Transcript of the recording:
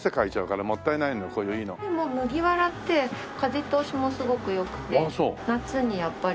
でも麦わらって風通しもすごく良くて夏にやっぱり。